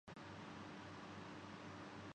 اپنے لیے کھڑا ہونے کے قابل ہوں